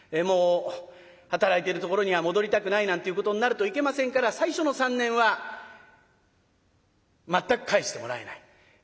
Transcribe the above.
もう働いてるところには戻りたくないなんていうことになるといけませんから最初の３年は全く帰してもらえない。